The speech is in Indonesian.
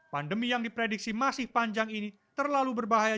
pandemi yang diprediksi masih panjang ini terlalu berbahaya